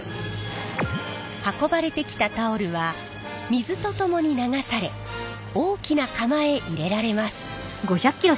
運ばれてきたタオルは水と共に流され大きな釜へ入れられます。